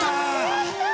やった！